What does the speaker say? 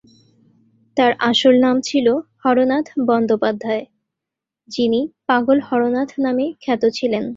তার আসল নাম ছিল হরনাথ বন্দ্যোপাধ্যায়, যিনি 'পাগল হরনাথ' নামে খ্যাত ছিলেন।